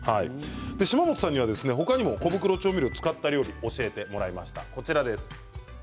島本さんには他にも小袋調味料を使った料理を教えてもらいました。